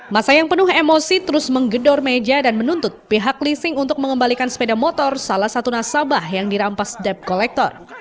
masa yang penuh emosi terus menggedor meja dan menuntut pihak leasing untuk mengembalikan sepeda motor salah satu nasabah yang dirampas dep kolektor